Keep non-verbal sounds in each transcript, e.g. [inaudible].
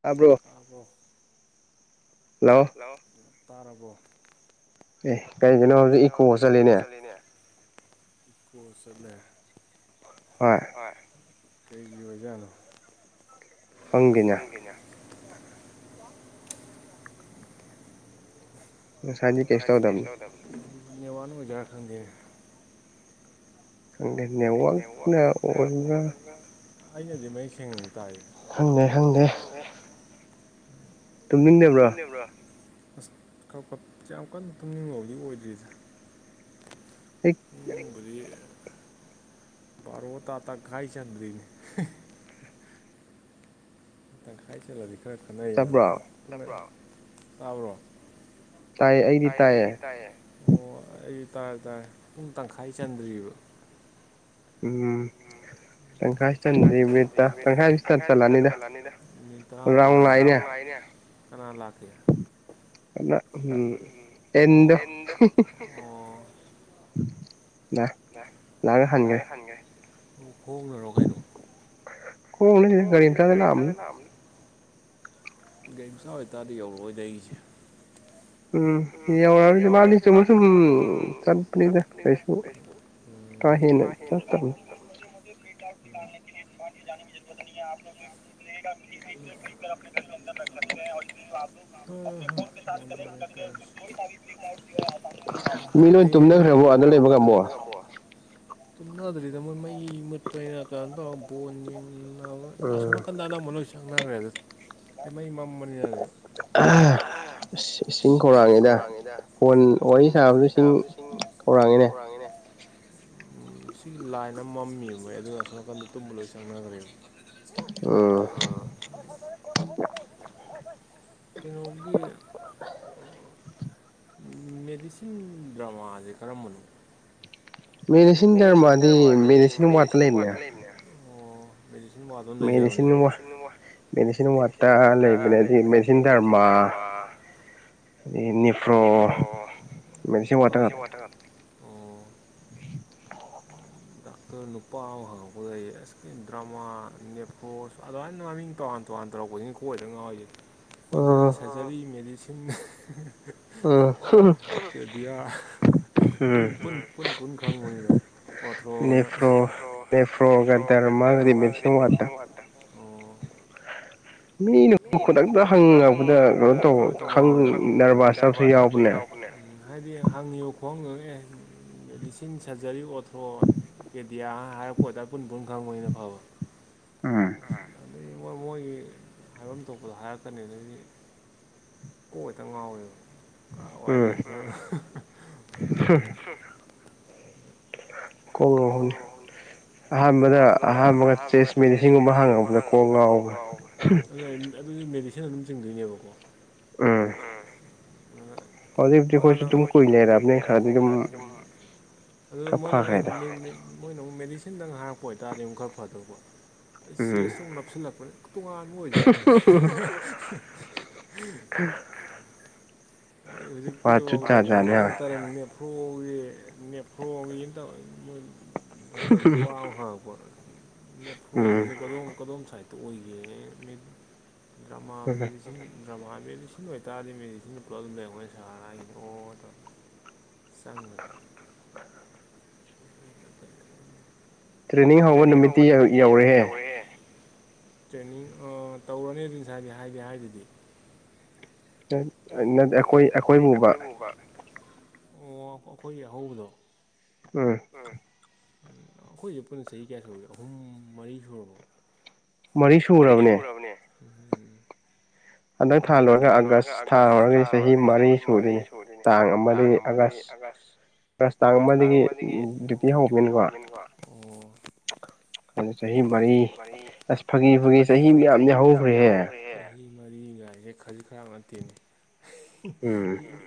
ꯇꯥꯕ꯭ꯔꯣ hello hello ꯇꯥꯔꯔꯕꯣ ꯑꯦ ꯀꯩꯒꯅꯣ ꯍꯧꯖꯤꯛ ꯏꯀꯣ ꯆꯠꯂꯤꯅꯦ ꯄꯨꯁꯂ ꯍꯣꯏ ꯍꯣꯏ ꯀꯩꯒꯤ ꯑꯣꯏꯖꯥꯠꯅꯣ ꯈꯪꯗꯦꯅ ꯉꯁꯥꯏꯗꯤ ꯀꯩꯁ ꯇꯧꯗꯝꯅꯤ ꯅꯦꯠꯊꯥꯛꯅ ꯑꯣꯏꯗꯣꯏꯔꯥ ꯈꯪꯗꯦ ꯈꯪꯗꯦ ꯅꯦꯠꯋꯥꯔ꯭ꯛꯅ ꯑꯣꯏꯕ꯭ꯔ [inaudible] ꯑꯩꯅꯗꯤ ꯃꯌꯦꯛ ꯁꯦꯡꯅꯅꯤ ꯇꯥꯏ ꯍꯪꯅꯦꯦ ꯍꯪꯗꯦ ꯑ [unintelligible] ꯨꯝꯕ꯭ꯔꯥ ꯑꯁ ꯌꯥꯝ ꯀꯟꯅ ꯇꯨꯝꯅꯤꯡꯕꯕꯨꯗꯤ ꯑꯣꯏꯗ꯭ꯔꯤꯁꯦ ꯊ ꯅꯪꯕꯨꯗꯤ ꯃꯔ ꯑꯣ ꯇꯥꯇ ꯈꯥꯏ ꯆꯟꯔꯤꯅꯦ ꯇꯪꯈꯥꯏ ꯆꯜꯂꯗꯤ ꯈꯔ ꯈꯟꯅ ꯌꯥꯏ ꯇꯥꯕ꯭ꯔꯣ ꯇꯥꯏꯌꯦ ꯑꯩꯗꯤ ꯇꯥꯏꯌꯦ ꯑꯣ ꯑꯩꯗꯤ ꯇꯥꯔꯦ ꯇꯥꯔꯦ ꯄꯨꯡ ꯇꯪꯈꯥꯏ ꯆꯟꯗ꯭ꯔꯤꯕꯑꯔꯤꯕ ꯎꯝ ꯇꯪꯈꯥꯏ ꯆꯟꯗ꯭ꯔꯤ ꯇꯪꯈꯥꯏꯁꯤ ꯆꯜꯂꯅꯤꯗ ꯃꯤꯅꯤꯠ ꯇꯔꯥꯃꯨꯛꯇ ꯉꯥꯏꯔꯦ ꯀꯅꯥ ꯂꯥꯛꯀꯦ ꯑ [unintelligible] ꯑꯣ ꯎꯝ ꯂꯥꯛꯒ ꯍꯟꯒꯦ ꯈꯣꯡꯅꯔꯣ ꯀꯩꯅꯣ ꯀꯣꯦ ꯔꯤꯝꯇꯥꯗ ꯂꯝꯅ ꯏꯆꯥ ꯑꯣꯏꯇꯥꯔꯗꯤ ꯌꯧꯔꯛꯑꯣꯏꯗ ꯑꯩꯁꯦ ꯎꯝ ꯌꯧꯔꯛꯑꯅꯤ ꯃꯥꯗꯤ ꯆꯨꯝꯅ ꯁꯨꯝ ꯆꯠꯄꯅꯤꯗ ꯀꯩꯁꯨ ꯎꯝ ꯅꯅꯥꯥꯅꯦ ꯂ ꯗꯨꯀꯥꯟ ꯄ ꯌꯥꯅꯤꯒꯤꯁꯨꯔꯨꯔ ꯅꯅꯤ ꯍꯥꯏꯦꯅ [inaudible] ꯎꯝ ꯍ ꯌꯥꯝꯦ [inaudible] ꯍꯌꯦꯡ ꯂꯣꯏ ꯊꯨꯝꯅꯈ꯭ꯔꯕꯣ ꯑꯗꯨꯗ ꯂꯩꯕ ꯇꯨꯝꯅꯅꯥꯗ꯭ꯔꯤꯗ ꯃꯣꯏ ꯃꯩ ꯃꯠꯄꯔ ꯀꯥꯟ ꯇ ꯕꯣꯟꯡꯕ ꯑꯁꯣꯝ ꯅꯥꯀꯟꯗ ꯑꯅꯝꯕ ꯂꯣꯏ ꯆꯪꯅꯈ꯭ꯔꯦꯗ ꯃꯩ ꯃꯝꯕꯅꯤꯅ ꯑ ꯑꯁ ꯏꯁꯤꯡ ꯈꯧꯔꯥꯡꯉꯤꯗ ꯐꯣꯟ ꯋꯥꯔꯤ ꯁꯥꯕꯁꯨ ꯏꯁꯤꯡ ꯈꯧꯔꯥꯡꯉꯤꯅꯦ ꯎꯝ ꯁꯤꯒꯤ ꯂꯥꯏꯟ ꯑꯃ ꯃꯝꯃꯤꯌꯦ ꯃꯩ ꯑꯗꯨꯅ ꯑꯁꯣꯝ ꯅꯥꯀꯟꯗ ꯇꯨꯝꯕ ꯂꯣꯏ ꯆꯪꯅꯈ꯭ꯔꯦꯕ ꯎꯝ ꯀꯩꯅꯣꯒꯤ ꯃꯦꯗꯤꯁꯤꯟ ꯗ꯭ꯔꯃꯥꯁꯦ ꯀꯔꯝꯕꯅꯣ ꯃꯦꯗꯤꯁꯤꯟ ꯗꯔ ꯃꯥꯗꯤ ꯃꯦꯗꯤꯁꯤꯟ ꯋꯥꯠꯇ ꯂꯩꯔꯅꯦ ꯑꯣ ꯃꯦꯗꯤꯁꯤꯟ ꯂꯩꯖꯕꯅꯦ ꯃꯦꯗꯤꯟ ꯃꯦꯗꯤꯁꯤꯟ ꯂꯩꯕꯅꯦ ꯃꯦꯟꯁꯤꯟ ꯗꯔꯃꯥ ꯅꯤꯄ꯭ꯔꯣ ꯎꯝ ꯗꯥꯛꯇꯔ ꯅꯨꯄꯥ ꯑꯃ ꯍꯪꯉꯛꯄꯗꯨꯗ ꯑꯩꯗꯤ ꯗ꯭ꯔꯃꯥ ꯅꯦꯞꯐꯣꯁ ꯑꯗꯨꯃꯥꯏꯅ ꯃꯃꯤꯡ ꯇꯣꯉꯥꯟ ꯇꯣꯉꯥꯟ ꯇꯧꯔꯛꯄꯁꯤꯅ ꯀꯣꯏꯗ ꯉꯥꯎꯔꯤꯁꯦ ꯑꯩꯈꯣꯏꯅ ꯈꯪꯦ ꯁꯔꯖꯔꯤ ꯃꯦꯗꯤꯁꯤꯟ ꯑꯦꯗꯤꯌꯥ [unintelligible] ꯄꯨꯨꯡ ꯄꯨꯟ ꯄꯨꯟ ꯄꯨꯟ ꯈꯥꯡꯪꯒꯅꯤꯗꯣ ꯑꫭꯊꯔꯣꯗ ꯅꯦꯐ꯭ꯔꯣꯒ ꯗꯔꯃꯥꯒꯗꯤ ꯃꯦꯗꯤꯁꯤꯟ ꯋꯥꯠꯇ ꯑꯣ ꯃꯤꯅ ꯈꯨꯗꯛꯇ ꯍꯪꯉꯛꯄꯗ ꯀꯩꯅꯣ ꯇꯧꯕ ꯅꯔꯚꯁꯇꯕꯁꯨ ꯌꯥꯎꯕꯅꯦ ꯍꯥꯏꯗꯤ ꯍꯪꯉꯤꯕ ꯈꯨꯍꯪꯗꯨꯅ ꯑꯦ ꯃꯦꯗꯤꯁꯤꯟ ꯁꯔꯖꯔꯤ ꯑꯣꯊ꯭ꯔꯣ ꯑꯦꯗꯤꯌꯥ ꯍꯥꯏꯔ ꯄꯣꯗ ꯄꯨꯨꯟ ꯄꯨꯨꯟ ꯈꯪꯕ ꯑꯣꯏꯅ ꯐꯕ ꯑꯗꯨꯗꯒꯤ ꯃꯣꯏꯒꯤ ꯍꯥꯏꯐꯝ ꯊꯣꯛꯄꯗ ꯍꯥꯏꯔ ꯀꯅꯦꯗꯗꯤ ꯀꯣꯛꯇ ꯉꯥꯎꯋꯦꯕ ꯀꯥꯏꯋꯥꯏ ꯂꯩꯒ ꯍ ꯀꯣꯣꯡꯅꯍꯨꯅꯤ [unintelligible] ꯑꯍꯥꯟꯕꯗ ꯑꯍꯥꯟꯕꯒ ꯆꯦꯁ ꯃꯦꯗꯤꯁꯤꯟꯒꯨꯝꯕ ꯍꯪꯉꯛꯄꯗ ꯀꯣꯛ ꯉꯥꯎꯕ ꯑꯗꯨꯒꯤ ꯃꯦꯗꯤꯁꯤꯟ ꯑꯗꯨꯝ ꯆꯤꯡꯗꯣꯏꯅꯦꯕꯀꯣ ꯎꯝ ꯈꯣꯏꯁꯨ ꯑꯗꯨꯝ ꯀꯨꯏꯔꯕꯅꯤ ꯈꯔꯗꯤ ꯑꯗꯨꯝ ꯑꯗꯨ ꯃꯣꯏꯅ ꯃꯣꯏꯅ ꯑꯃꯨꯛ ꯃꯦꯗꯤꯁꯤꯟꯗꯪ ꯍꯥꯏꯔꯛꯄ ꯑꯣꯏꯇꯥꯔꯗꯤ ꯑꯃꯨꯛ ꯈꯔ ꯐꯗꯧꯕ ꯁꯏ ꯑꯦꯁ ꯑꯃꯨꯛ ꯅꯞꯁꯤꯜꯂꯛꯄꯅꯤ ꯇꯣꯉꯥꯟꯕ ꯑꯣꯏꯖꯥꯠꯂ ꯍꯧꯖꯤꯛꯤꯗꯤ ꯍ ꯇꯔꯦ ꯐ꯭ꯔꯣꯒꯤ ꯐ꯭ꯔꯣꯒꯤ ꯇꯧ ꯃꯣꯏ ꯗꯥꯛꯇꯔ ꯅꯎꯄꯥ ꯑꯃ ꯍꯪꯉꯛꯏ ꯅꯦꯐꯣꯒꯤꯁꯤ ꯀꯗꯣꯝ ꯀꯗꯣꯝ ꯁꯥꯏꯠ ꯣꯦ ꯗ꯭ꯔꯥ [unintelligible] ꯑꯗꯨ ꯗ꯭ꯔꯃꯥ ꯃꯦꯗꯤꯁꯤꯟ ꯑꯣꯏꯕꯇꯥꯔꯗꯤ ꯃꯦꯗꯤꯁꯤꯟ ꯄꯨ꯭ꯔꯣꯕꯂꯦꯝ ꯂꯩꯔꯝꯒꯅꯤ ꯁꯒꯤꯣ [unintelligible] ꯇꯧ ꯆꯥꯡꯅ ꯇ꯭ꯔꯦꯅꯤꯡ ꯍꯧꯕ ꯅꯨꯃꯤꯠꯇꯤ ꯌꯧꯔꯦꯍꯦ ꯇ꯭ꯔꯦꯅꯤꯡ ꯇꯧꯔꯅꯤꯗꯤ ꯏꯁꯁꯥꯒꯤ ꯍꯥꯏꯒꯦ ꯍꯥꯏꯗꯨꯗꯤ ꯇ ꯑꯗꯨ ꯅꯠꯇ ꯑꯩꯈꯣꯏ ꯑꯩꯈꯣꯏꯕꯨꯕ ꯑꯣ ꯑꯩꯈꯣꯏꯒꯤ ꯑꯍꯧꯕꯗꯣ ꯎꯝ ꯎ ꯑꯩꯈꯣꯏꯁꯦ ꯄꯨꯟꯅ ꯆꯍꯤ ꯀꯌꯥ ꯁꯨꯒꯦ ꯑꯍꯨꯝ ꯃꯔꯤ ꯁꯨꯔꯕ ꯃꯔꯤ ꯁꯨꯔꯕꯅꯦ ꯍꯟꯗꯛ ꯊꯥ ꯂꯣꯏꯔꯒ ꯑꯥꯒꯁ ꯊꯥ ꯍꯧꯔꯒꯗꯤ ꯆꯥꯍꯤ ꯃꯔꯤ ꯁꯨꯗꯣꯏꯅꯤ ꯇꯥꯡ ꯑꯃꯗꯒꯤ ꯑꯥꯒꯁ ꯑꯥꯒꯁ ꯇꯥꯡ ꯑꯃꯗꯒꯤ ꯗ꯭ꯌꯨꯇꯤ ꯍꯧꯕꯅꯤꯅꯀꯣ ꯎꯝ ꯑꯗꯨ ꯆꯍꯤ ꯃꯔꯤ ꯑꯁ ꯐꯥꯒꯤ ꯐꯥꯒ ꯆꯍꯤ ꯃꯌꯥꯝꯗꯤ ꯍꯧꯈ꯭ꯔꯦꯍꯦ ꯆꯍꯤ ꯃꯔꯤꯒꯥꯏꯖꯦ ꯈꯖꯤꯛ ꯈꯔꯥꯛ ꯅꯠꯇꯦꯅꯦ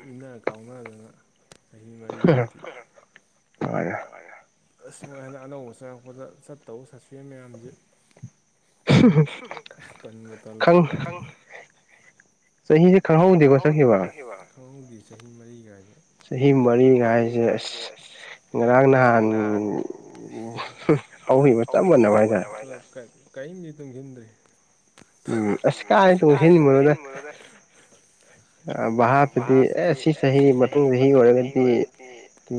ꯏꯟꯅ ꯀꯥꯎꯅꯗꯅ ꯆꯍꯤ ꯃꯔꯤꯕꯧ [inaudible] ꯑꯁ ꯃꯣꯏ ꯍꯟꯗꯛ ꯑꯅꯧꯕ ꯆꯡꯉꯛꯄꯗ ꯆꯠꯇꯧ ꯁꯥꯁꯄꯦꯟ ꯃꯌꯥꯝꯁꯦ [unintelligible] ꯇꯟꯕꯨ ꯇꯜꯂꯦ ꯈꯪ ꯆꯍꯤꯁꯦ ꯈꯪꯍꯧꯗꯦꯀꯣ ꯆꯠꯈꯤꯕ ꯈꯪꯍꯧꯗꯦ ꯆꯍꯤ ꯃꯔꯤ ꯀꯥꯏꯁꯦ ꯆꯍꯤ ꯃꯔꯤꯒ ꯍꯥꯏꯁꯦ ꯑꯁ ꯉꯔꯥꯡ ꯅꯍꯥꯟ ꯍꯧꯈꯤꯕ ꯆꯞ ꯃꯥꯟꯅꯕ ꯍꯥꯏꯅ ꯀꯩꯝꯗꯤ ꯇꯨꯡꯖꯤꯟꯗ꯭‌ꯔꯤ ꯎꯝ ꯑꯁ ꯀꯥꯏ ꯇꯨꯡꯁꯤꯟꯕꯅꯣꯗ [unintelligible] ꯚꯥꯞꯇꯗꯤ ꯑꯦ ꯁꯤ ꯆꯍꯤ ꯃꯥꯊꯡ ꯆꯍꯤ ꯑꯣꯏꯔꯒꯗꯤ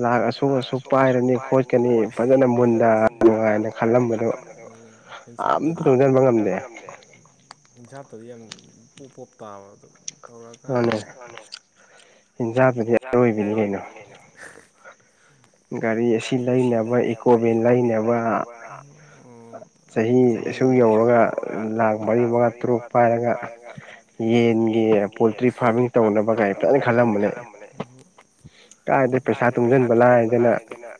ꯂꯥꯛ ꯑꯁꯨꯛ ꯑꯁꯨꯛ ꯑꯁꯨꯛ ꯑꯁꯨꯛ ꯄꯥꯏꯔꯅꯤ ꯈꯣꯠꯀꯅꯤ ꯐꯖꯅ ꯃꯨꯟꯅꯥ ꯅꯨꯡꯉꯥꯏꯅ ꯈꯜꯂꯝꯕꯗꯣ ꯍꯤꯡꯁꯥꯞꯇꯗꯤ ꯌꯥꯝ ꯇꯨꯡꯖꯟꯕ ꯉꯝꯗꯦ ꯍꯤꯡꯁꯥꯞꯇꯗꯤ ꯌꯥꯝ ꯄꯣꯞ ꯄꯣꯞ ꯇꯥꯕ ꯑꯗꯨꯝ ꯇꯧꯔꯛꯑꯀꯥꯟꯗꯗꯤ ꯃꯥꯅꯦ ꯍꯤꯡꯆꯥꯞꯇꯗꯤ ꯑꯔꯣꯏꯕꯤꯅꯤ ꯀꯩꯅꯣ ꯒꯥꯔꯤ ꯑꯁꯤ ꯂꯩꯅꯕ ꯏꯀꯣꯚꯦꯟ ꯂꯩꯅꯕ ꯎꯝ ꯊꯧꯍꯜꯂꯥꯥꯒ ꯆꯍꯤ ꯑꯁꯨꯛ ꯌꯧꯔꯒ ꯂꯥꯛ ꯃꯔꯤ ꯃꯉꯥ ꯇꯔꯨꯛ ꯄꯥꯏꯔꯒ ꯌꯦꯟꯒꯤ ꯄꯣꯜꯇ꯭ꯔꯤ ꯐꯥꯔꯃꯤꯡ ꯇꯧꯅꯕꯒꯥꯏ ꯐꯖꯅ ꯈꯜꯂꯝꯕꯅꯦ ꯀꯥꯏꯗꯩ ꯄꯩꯁꯥ ꯇꯨꯡꯁꯤꯟꯕ ꯂꯥꯏꯗꯅ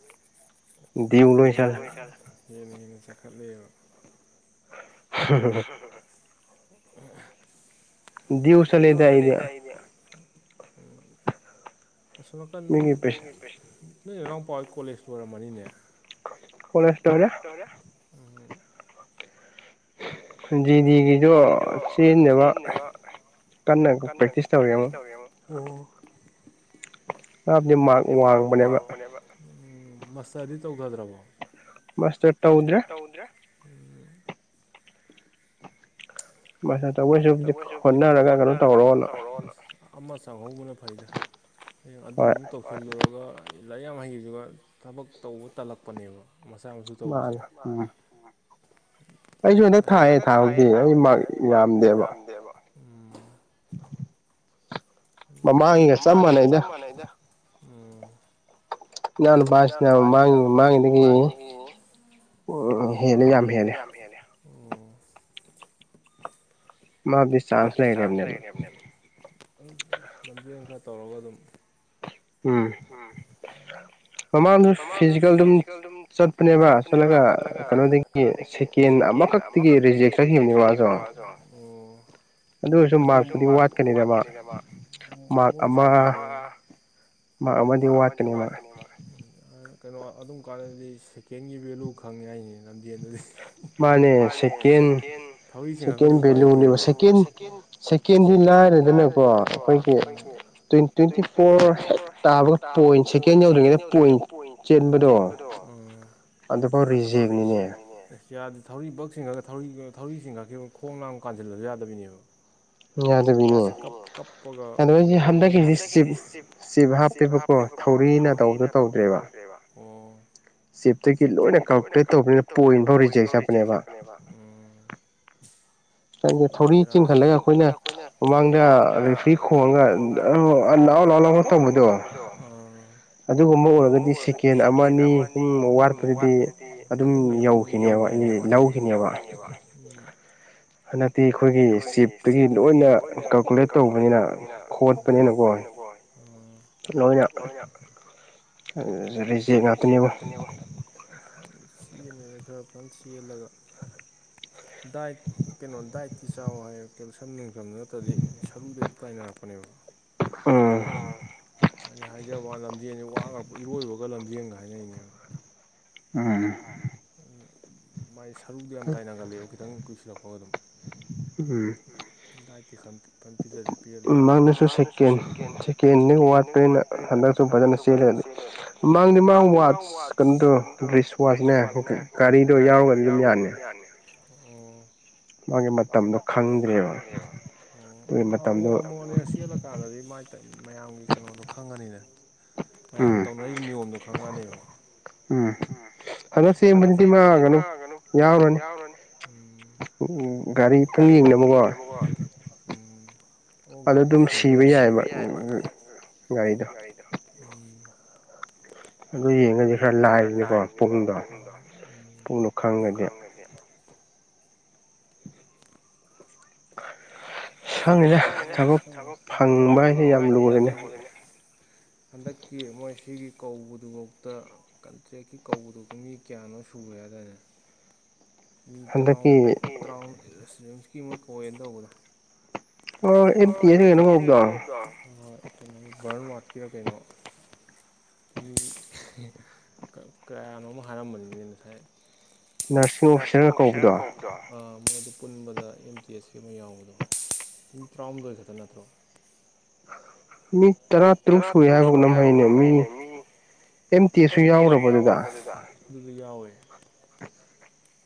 [unintelligible] ꯆꯠꯂꯦ ꯍꯦꯟꯅ ꯍꯦꯟꯅ ꯆꯈꯠꯂꯦꯕ [unintelligible] ꯗꯤꯎ ꯆꯠꯂꯦꯗ ꯑꯩꯗꯤ ꯑꯁꯣꯝ ꯅꯥꯀꯟ ꯃꯤ ꯅꯣꯏ ꯅꯅꯥꯎꯄꯥꯥꯍꯣꯏ ꯀꯣꯂꯦꯖ ꯂꯣꯏꯔꯝꯃꯅꯤꯅꯦ ꯀꯣꯂꯦꯁ ꯂꯣꯏꯔꯦ ꯎꯝ ꯗꯤꯗꯤꯒꯤꯗꯣ [unintelligible] ꯆꯦꯟꯅꯕ ꯀꯥꯟꯅ ꯄ꯭ꯔꯦꯛꯇꯤꯁ ꯇꯧꯔꯤ ꯑꯃꯨꯛ ꯑꯣ ꯃꯥꯕꯨꯗꯤ ꯃꯥꯛ ꯋꯥꯡꯕꯅꯦꯕ ꯎꯝ ꯃꯁꯇꯔꯗꯤ ꯇꯧꯗꯗ꯭ꯔꯕꯣ ꯃꯥꯁꯇꯔ ꯇꯧꯗꯔꯦ ꯃꯁꯥ ꯆꯈꯣꯏꯁꯨ ꯍꯧꯖꯤꯛ ꯍꯣꯠꯅꯔꯒ ꯀꯩꯅꯣ ꯇꯧꯔꯣꯅ ꯑꯃ ꯆꯪꯍꯧꯕꯅ ꯐꯩꯗ ꯍꯌꯦꯡ ꯑꯗꯨꯃꯨꯛ ꯇꯧꯁꯤꯜꯂꯨꯔꯒ ꯂꯥꯏꯌꯥꯝ ꯍꯩꯗꯨꯒ ꯊꯕꯛ ꯇꯧꯕ ꯇꯜꯂꯛꯄꯅꯦꯕ ꯃꯆꯥ ꯃꯁꯨ ꯇꯧꯕꯁꯦ ꯃꯥꯟꯅꯦ ꯎꯝ ꯑꯩꯁꯨ ꯍꯟꯗꯛ ꯊꯥꯏꯌꯦ ꯊꯥꯕꯗꯤ ꯑꯩ ꯃꯥꯛ ꯌꯥꯝꯗꯦꯕ ꯗꯦꯕ ꯎꯝ ꯃꯃꯥꯡꯒꯤꯒ ꯆꯞ ꯃꯅꯩꯗ ꯏꯅꯥꯎꯅꯨꯄꯥꯁꯤꯅ ꯃꯃꯥꯡ ꯃꯃꯥꯡꯗꯒꯤ ꯍꯦꯜꯂꯦ ꯌꯥꯝ ꯍꯦꯜꯂꯦ ꯍꯦꯜꯂꯦ ꯎꯝ ꯃꯥꯕꯨꯗꯤ ꯆꯥꯟꯁ ꯂꯩꯔꯤꯕꯅꯦꯕ ꯂꯝꯖꯦꯜ ꯈꯔ ꯇꯧꯔꯒ ꯑꯗꯨꯝ ꯎꯝ ꯃꯃꯥꯡꯗ ꯐꯤꯖꯤꯀꯦꯜ ꯑꯗꯨꯝ ꯆꯠꯄꯅꯦꯕ ꯆꯠꯂꯒ ꯀꯩꯅꯣꯗꯒꯤ ꯀꯩꯅꯣꯗꯒꯤ ꯁꯦꯀꯦꯟ ꯑꯃꯈꯛꯇꯒꯤ ꯔꯤꯖꯦꯛ ꯆꯈꯤꯕꯅꯦ ꯃꯥꯁꯨ ꯑꯗꯨꯑꯣꯏꯁꯨ ꯃꯥꯛꯄꯨꯗꯤ ꯋꯥꯠꯀꯅꯤꯗ ꯃꯥ ꯃꯥꯛ ꯑꯃꯥ ꯃꯥꯛ ꯑꯃꯗꯤ ꯋꯥꯠꯀꯅꯤ ꯃꯥ ꯀꯩꯅꯣ ꯑꯗꯨꯝ ꯀꯥꯟꯗꯗꯤ ꯁꯦꯀꯦꯟꯒꯤ ꯚꯦꯂꯨ ꯈꯪꯉꯦ ꯍꯥꯏꯅꯤ ꯂꯝꯖꯦꯟꯗꯗꯤ ꯃꯥꯅꯦ ꯁꯦꯀꯦꯟ ꯊꯧꯔꯤ ꯆꯤꯡꯈꯠꯈ꯭ꯔꯗꯤ ꯎꯄꯥꯏ ꯂꯩꯇꯦ ꯁꯦꯀꯦꯟ ꯁꯦꯀꯦꯟꯗꯤ ꯂꯥꯏꯔꯗꯅꯀꯣ ꯑꯩꯈꯣꯏꯒꯤ ꯇ꯭ꯋꯦꯟ ꯇ꯭ꯋꯦꯟꯇꯤ ꯐꯣꯔ ꯍꯦꯛ ꯇꯥꯕꯒ ꯇꯥꯕꯒ ꯄꯣꯏꯟ ꯁꯦꯀꯦꯟ ꯌꯧꯗ꯭ꯔꯤꯉꯩꯗ ꯄꯣꯏꯟ ꯆꯦꯟꯕꯗꯣ ꯑꯗꯨꯐꯥꯎ ꯔꯤꯖꯦꯛꯅꯤꯅꯦ ꯅꯦ ꯑꯁ ꯌꯥꯗꯦ ꯊꯧꯔꯤ ꯕꯛ ꯆꯤꯡꯉꯡꯒ ꯊꯧꯔꯤ ꯊꯧꯔꯤꯆꯤꯡꯅꯒꯤꯕ ꯈꯣꯡ ꯅꯥꯝ ꯀꯥꯟꯖꯤꯜꯂꯖꯨ ꯌꯥꯗꯕꯤꯅꯦꯕ ꯌꯥꯗꯕꯤꯅꯦ ꯑꯗꯣ ꯑꯩꯗꯤ ꯍꯟꯗꯛꯀꯤꯖꯦ ꯆꯤꯞ ꯆꯤꯞ ꯍꯥꯞꯄꯦꯕꯀꯣ ꯊꯧꯔꯤꯅ ꯇꯧꯕꯗꯣ ꯇꯧꯗ꯭ꯔꯦꯕ ꯑꯣ ꯆꯤꯞꯇꯒꯤ ꯂꯣꯏꯅ ꯀꯥꯜꯀꯨꯂꯦꯠ ꯇꯧꯕꯅꯤꯅ ꯄꯣꯏꯟꯕꯧ ꯔꯤꯖꯦꯛ ꯆꯠꯄꯅꯦꯕ [unintelligible] ꯎꯝ ꯅꯪꯗꯤ ꯊꯧꯔꯤ ꯆꯤꯡꯍꯜꯂꯦ ꯑꯩꯈꯣꯏꯅ ꯃꯃꯥꯡꯗ ꯔꯤꯐ꯭ꯔꯤ ꯈꯣꯡꯉꯒ [unintelligible] ꯂꯥꯛꯑꯣ ꯂꯥꯛꯑꯣ ꯂꯥꯛꯑꯣ ꯇꯧꯕꯗꯣ ꯑꯗꯨꯒꯨꯝꯕ ꯑꯣꯏꯔꯒꯗꯤ ꯁꯦꯀꯦꯟ ꯑꯃ ꯑꯅꯤ ꯑꯍꯨꯝ ꯋꯥꯠꯄꯗꯗꯤ ꯑꯗꯨꯝ ꯌꯧ ꯈꯤꯅꯦꯕ ꯂꯧꯈꯤꯅꯦꯕ ꯎꯝ ꯍꯟꯗꯛꯇꯤ ꯑꯩꯈꯣꯏꯒꯤ ꯆꯤꯞꯇꯒꯤ ꯑꯗꯨꯒꯤ ꯂꯣꯏꯅ ꯀꯥꯜꯀꯨꯂꯦꯠ ꯇꯧꯕꯅꯤꯅ ꯍꯣꯠꯄꯅꯤꯅꯀꯣ ꯂꯣꯏꯅ ꯔꯤꯖꯦꯛ ꯉꯥꯛꯇꯅꯦꯕꯣ ꯆꯦꯟꯕꯖꯦ ꯈꯔ ꯐꯖꯅ ꯆꯦꯜꯂꯒ ꯗꯥꯏꯠ ꯀꯩꯅꯣ ꯗꯥꯏꯠꯇꯤ ꯆꯥꯎ ꯍꯥꯏ ꯀꯦꯜꯁ꯭ꯌꯤꯝ ꯅꯨꯡꯁꯝ ꯅꯠꯇ꯭ꯔꯗꯤ ꯁꯔꯨꯗ ꯇꯥꯏꯅꯔꯛꯄꯅꯦꯕ ꯑ ꯑꯩꯅ ꯍꯥꯏꯖꯕ ꯋꯥꯅꯦ ꯂꯝꯖꯦꯟꯖꯦ ꯋꯥꯒ꯭ꯔ [unintelligible] ꯏꯔꯣꯏꯕꯒ ꯂꯝꯖꯦꯟꯒ ꯍꯥꯏꯅꯩꯅꯦ ꯎꯝ ꯃꯥꯏ ꯁꯔꯨꯗꯥ ꯌꯥꯝ ꯇꯥꯏꯅꯒꯟꯂꯦꯕ ꯈꯤꯇꯪ ꯀꯨꯏꯁꯤꯜꯂꯛꯄꯒ ꯑꯗꯨꯝ ꯎꯝ ꯗꯥꯏꯠꯇꯤ [unintelligible] ꯐꯖꯅ ꯄꯤꯖ ꯄꯤꯖꯗ ꯌꯥꯔꯣꯏ ꯎꯝ ꯃꯥꯅꯁꯨ ꯁꯦꯀꯦꯟ ꯁꯦꯀꯦꯟ ꯈꯤꯇꯪ ꯋꯥꯠ ꯑꯇꯩꯩꯅ ꯍꯟꯗꯛꯁꯨ ꯐꯖꯅ ꯆꯦꯂꯗꯤ ꯃꯥꯡꯗꯤ ꯃꯥ ꯋꯥꯠꯆ ꯀꯩꯅꯣꯗꯣ ꯗ꯭ꯔꯤꯁ ꯋꯥꯁꯅꯦ ꯎꯝ ꯒꯥꯔꯤꯗꯣ ꯌꯥꯎꯔꯒꯗꯤ ꯑꯗꯨꯝ ꯌꯥꯅꯤ ꯎꯝ ꯃꯥꯒꯤ ꯃꯇꯝꯗꯣ ꯈꯪꯗ꯭ꯔꯦꯕ ꯑꯣ ꯑꯗꯨ ꯂꯥꯛꯑꯣ ꯑꯃꯨꯛ ꯑꯅꯤꯔꯛ ꯆꯦꯜꯂ ꯀꯥꯟꯗꯗꯤ ꯃꯥꯏ ꯃꯌꯥꯝꯒꯤ ꯀꯩꯅꯣꯗꯣ ꯈꯪꯉꯅꯤꯗꯅ ꯃꯌꯥꯝ ꯇꯧꯅꯔꯤꯕ ꯅꯤꯌꯣꯝꯗꯣ ꯈꯪꯉꯛꯑꯅꯦꯕ ꯎꯝ ꯍꯟꯗꯛ ꯆꯦꯟꯕꯖꯤꯗꯤ ꯃꯥ ꯀꯩꯅꯣ ꯌꯥꯎꯔꯅꯤ ꯎꯝ ꯒꯥꯔꯤ ꯄꯨꯡ ꯌꯦꯡꯅꯕꯒꯣ ꯑꯗ ꯑꯗꯨꯝ ꯁꯤꯕ ꯌꯥꯏꯕ [unintelligible] ꯒꯥꯔꯤꯗꯣ ꯎꯝ ꯑꯗꯨ ꯌꯦꯡꯉꯗꯤ ꯈꯔ ꯂꯥꯏꯔꯤꯅꯤꯀꯣ ꯄꯨꯡꯗꯣ ꯄꯨꯡꯗꯣ ꯈꯪꯉꯗꯤ [inaudible] ꯈꯪꯗꯦꯗ ꯊꯕꯛ ꯑꯃ [unintelligible] ꯐꯪꯕ ꯍꯥꯏꯖꯦ ꯌꯥꯝ ꯂꯨꯔꯦꯅꯦ ꯍꯟꯗꯛꯀꯤ ꯃꯣꯏ ꯁꯤꯒꯤ ꯀꯧꯕꯗꯨꯕꯧꯇ ꯀꯟꯇ꯭ꯔꯦꯛꯀꯤ ꯀꯧꯕꯗꯨꯕꯨ ꯃꯤ ꯀꯌꯥꯅꯣ ꯁꯨꯔꯦ ꯍꯥꯏꯗꯥꯏꯅꯦ ꯃꯤ ꯇꯔꯥ ꯍꯟꯗꯛꯀꯤ ꯇꯔꯥꯑꯃ [unintelligible] ꯀꯧꯋꯦꯅ ꯇꯧꯕꯗꯣ [unintelligible] ꯋꯥꯔꯠꯀꯤꯔ ꯀꯩꯅꯣ ꯃꯤ [unintelligible] ꯀꯌꯥꯅꯣ ꯑꯃ ꯍꯥꯏꯔꯝꯕꯅꯤꯅꯦ ꯉꯁꯥꯏ ꯅꯔꯁꯤꯡ ꯑꯣꯐꯤꯁꯔ ꯀꯧꯕꯗꯣ ꯑ ꯃꯣꯏ ꯑꯗꯨ ꯄꯨꯟꯕꯗ ꯑꯦꯝ ꯇꯤ ꯑꯦꯁꯀꯤ ꯑꯃ ꯌꯥꯎꯕꯗꯣ ꯃꯤ ꯇꯔꯥꯍꯨꯝꯗꯣꯏ ꯈꯛꯇ ꯅꯠꯇ꯭ꯔꯣ ꯃꯤ ꯃꯤ ꯇꯔꯥ ꯇꯔꯨꯛ ꯁꯨꯏ ꯍꯥꯏꯕ ꯀꯩꯅꯣꯝ ꯍꯥꯏꯅꯦ ꯃꯤ ꯑꯦꯝ ꯇꯤ ꯑꯦꯁꯁꯨ ꯌꯥꯎꯒ꯭ꯔꯕꯣ ꯑꯗꯨꯗ ꯑꯗꯨꯖꯨ ꯌꯥꯎꯋꯦ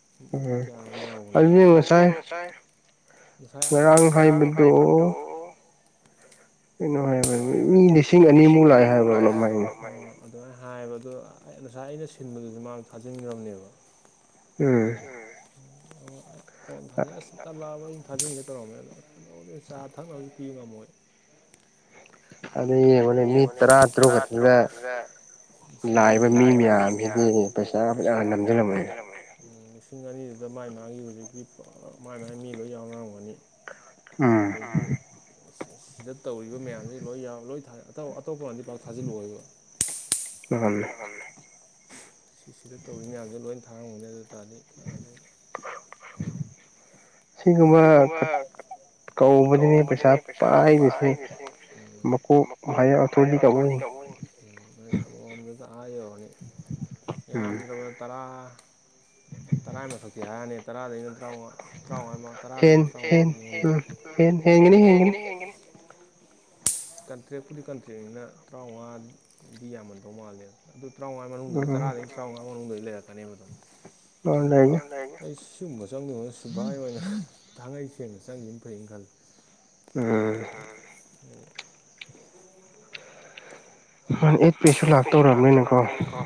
[unintelligible] ꯃꯤ ꯀꯌꯥꯅꯣꯝ ꯌꯥꯎꯕꯅꯦꯕ ꯑꯗꯨꯗꯤ ꯉꯁꯥꯏ ꯉꯁꯥꯏ ꯉꯔꯥꯡ ꯍꯥꯏꯕꯗꯨ ꯅꯨꯡꯉꯥꯏꯕ ꯃꯤ ꯂꯤꯁꯤꯡ ꯑꯅꯤꯃꯨꯛ ꯂꯥꯛꯑꯦ ꯍꯥꯏꯕ꯭ꯔꯣ [unintelligible] ꯑꯗꯨꯃꯥꯏꯅ ꯍꯥꯏꯌꯦꯕ ꯑꯗꯣ ꯉꯁꯥꯏ ꯑꯩꯅ ꯁꯤꯟꯕꯗꯨꯗꯤ ꯃꯥꯥꯡꯗ ꯊꯥꯖꯤꯟꯈ꯭ꯔꯕꯅꯦꯕ ꯎꯝ ꯍꯖꯁꯦꯀ ꯂꯥꯕ [unintelligible] ꯊꯥꯖꯤꯟꯒꯦ ꯇꯧꯔꯝꯃꯦ ꯑꯗꯣ ꯀꯩꯗꯧꯗꯣꯏꯅꯣ ꯆꯥ ꯊꯛꯅꯕꯁꯨ ꯄꯤꯕ ꯉꯝꯃꯣꯏ ꯑꯗꯩ ꯌꯦꯉꯣꯅꯦ ꯃꯤ ꯇꯔꯥ ꯇꯔꯨꯛ ꯀꯠꯇꯗ ꯂꯤꯁꯤꯡ ꯑꯅꯤ ꯂꯥꯛꯏꯕ ꯃꯤ ꯃꯌꯥꯝꯁꯤꯗꯤ ꯄꯩꯁꯥ ꯐꯖ ꯅꯝꯁꯤꯜꯂꯝꯃꯦ ꯂꯤꯁꯤꯡ ꯑꯅꯤꯗꯨꯗ ꯃꯥꯏ ꯃꯥꯒꯤ ꯍꯧꯖꯤꯛꯀꯤ ꯃꯥꯏ ꯃꯥꯏ ꯃꯤ ꯂꯣꯏ ꯌꯥꯎꯅꯔꯝꯒꯅꯤ ꯑꯗꯒꯤ ꯁꯤꯗ ꯇꯧꯔꯤꯕ ꯃꯌꯥꯝꯁꯤ ꯂꯣꯏ ꯌꯥꯎ ꯂꯣꯏ ꯊꯔꯦ ꯑꯇꯣꯞꯄ ꯑꯇꯣꯞꯄꯅꯗꯤ ꯄꯥꯛ ꯊꯥꯖꯤꯜꯂꯛꯑꯣꯏꯕ ꯃꯥꯟꯅꯦ ꯁꯤꯁꯤꯗ ꯇꯧꯔꯤ ꯃꯌꯥꯝꯁꯦ ꯂꯣꯏꯅ ꯊꯥꯔꯝꯒꯅꯤ ꯑꯗꯨ ꯑꯣꯏ ꯇꯥꯔꯗꯤ ꯀꯥꯔꯥꯏꯗꯩ ꯁꯤꯒꯨꯃ [inaudible] ꯀꯧꯕꯗꯅꯤ ꯄꯩꯁꯥ ꯄꯥꯏꯗꯣꯏꯁꯤ ꯃꯀꯣꯛ ꯍꯥꯏꯌꯔ ꯑꯊꯣꯔꯤꯇꯤ ꯀꯥꯡꯕꯨ ꯃꯣꯏ ꯑꯃꯃꯝꯗꯁꯨ ꯑꯥ ꯌꯧꯔꯅꯤ ꯌꯥꯝꯗ꯭ꯔꯕꯗ ꯇꯔꯥ ꯇꯔꯥꯏ ꯃꯊꯛꯇꯤ ꯍꯥꯏꯔꯅꯤ ꯇꯔꯥꯗꯩꯅ ꯇꯔꯥꯝꯉꯥ ꯗꯣ ꯇꯔꯥꯗꯒꯤ [unintelligible] ꯀꯟꯇ꯭ꯔꯦꯛꯄꯨꯗꯤ ꯀꯟꯇ꯭ꯔꯦꯛꯅꯤꯅ ꯇꯔꯥꯎꯉꯥꯗꯤ ꯌꯥꯝꯃꯟꯗꯧ ꯃꯥꯜꯂꯦ ꯑꯗꯨ ꯇꯔꯥꯃꯉꯥ ꯃꯅꯨꯡꯗꯗꯤ ꯇꯔꯥꯗꯒꯤ ꯇꯔꯥꯃꯉꯥ ꯃꯅꯨꯡꯗ ꯂꯩꯔꯛꯀꯅꯦꯕ ꯑꯗꯨꯝ ꯑ ꯂꯩꯔꯛꯀꯅꯤ ꯑꯩꯁ ꯁꯤꯒꯨꯝꯕ ꯆꯪꯕꯩ ꯃꯍꯨꯠ ꯁꯤꯚꯥꯏ ꯑꯣꯏꯅ ꯊꯥꯡꯉꯩ ꯁꯦꯡꯅ ꯆꯪꯒꯤ ꯐꯩꯅ ꯈꯜꯂꯦ ꯎꯝ ꯑꯩꯠ ꯄꯦꯁꯨ ꯂꯥꯛꯇꯧꯔꯕꯅꯤꯅꯀꯣ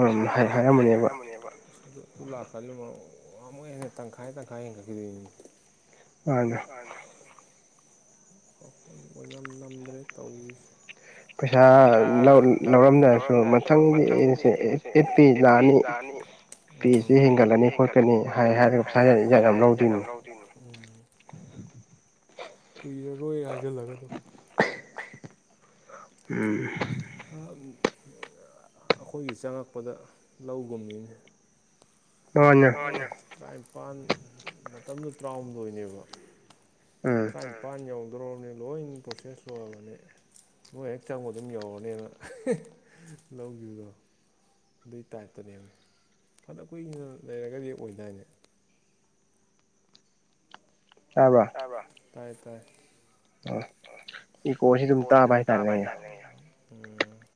ꯄꯩꯁꯥ ꯌꯥꯝ ꯍꯥꯏ ꯍꯥꯏꯔꯝꯃꯅꯦꯕ ꯑꯗꯨ ꯂꯥꯛꯀꯜꯂꯤꯕ ꯃꯣꯏꯍꯦꯟꯅ ꯇꯪꯈꯥꯏ ꯇꯪꯈꯥꯏ ꯍꯦꯟꯒꯠꯈꯤꯗꯣꯏꯅꯤ ꯃꯥꯟꯅꯦ ꯃꯥꯟꯅꯦ ꯑꯣꯏꯅꯝ ꯅꯝꯗ꯭ꯔꯦ ꯇꯧꯔꯤꯁꯦ ꯄꯩꯁꯥ ꯂꯧ ꯂꯧꯔꯝꯗꯥꯏꯗꯁꯨ ꯃꯊꯪꯗꯤ ꯑꯦꯁꯦ ꯑꯦꯠ ꯄꯦ ꯂꯥꯛꯑꯅꯤ ꯎꯝ ꯐꯤꯁꯤ ꯍꯦꯟꯒꯠꯂꯅꯤ ꯈꯣꯠꯀꯅꯤ ꯍꯥꯏ ꯍꯥꯏꯔꯒ ꯄꯩꯁꯥ ꯍꯦꯟꯅ ꯏꯟꯖꯟ ꯌꯥꯝ ꯂꯧꯗꯣꯏꯅꯤ ꯀꯨꯏꯔꯔꯣꯏꯒ ꯍꯥꯏꯖꯜꯂꯒ ꯑꯗꯨ ꯎꯝ ꯑꯩꯈꯣꯏꯒꯤ ꯆꯪꯉꯛꯄꯗ ꯂꯧꯒꯨꯝꯅꯤꯅꯦ ꯃꯥꯟꯅꯤ ꯄꯪꯉꯥ ꯇꯔꯥꯅꯤꯄꯥꯜ ꯃꯇꯝꯗꯨ ꯇꯔꯥꯍꯨꯝꯗꯣꯏꯅꯦꯕ ꯇꯔꯥꯏ ꯍꯥꯏ ꯄꯥꯟ ꯌꯧꯗ꯭ꯔꯣꯝꯅꯦ ꯂꯣꯏ ꯄ꯭ꯔꯣꯁꯦꯁ ꯂꯣꯏꯔꯕꯅꯤ ꯅꯣꯏ ꯍꯦꯛ ꯆꯪꯕ ꯑꯗꯨꯝ ꯌꯧꯔꯅꯦꯅ ꯂꯧꯈꯤꯕꯗꯣ ꯑꯗꯨꯏ ꯇꯥꯏꯞꯇꯅꯦꯕ ꯐꯅ ꯀꯨꯏꯅ ꯂꯩꯔꯒꯗꯤ ꯑꯣꯏꯗꯥꯏꯅꯦ ꯇꯥꯕ꯭ꯔꯥ ꯇꯥꯕ꯭ꯔꯣ ꯇꯥꯏ ꯇꯥꯏ ꯏꯀꯣꯁꯤ ꯑꯗꯨꯝ ꯇꯥꯕ ꯍꯥꯏꯇꯥꯔꯦ ꯑꯩꯅ